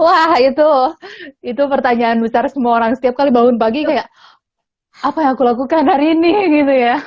wah itu itu pertanyaan besar semua orang setiap kali bangun pagi kayak apa yang aku lakukan hari ini gitu ya